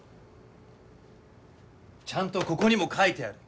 ちゃんとここにも書いてある。